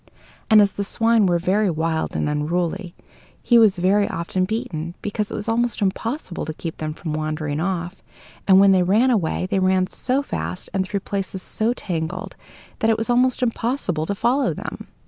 And as the swine were very wild and unruly, he was very often beaten, because it was almost impossible to keep them from wandering off; and when they ran away, they ran so fast, and through places so tangled, that it was almost impossible to follow them.